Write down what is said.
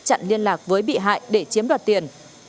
chặn liên lạc với bị hại để chiếm đoạt tiền